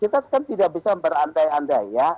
kita kan tidak bisa berantai antai ya